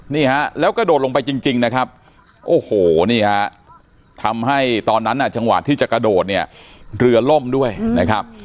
นี่ฮะแล้วกระโดดลงไปจริงนะครับโอ้โหนี่ฮะทำให้ตอนนั้นจังหวะที่จะกระโดดเนี่ยเรือล่มด้วยนะครับ